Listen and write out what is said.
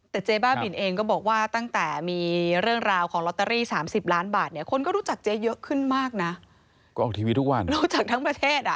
แต่เจ๊บ้าบินเองก็บอกว่าตั้งแต่มีเรื่องราวของลอตเตอรี่๓๐ล้านบาท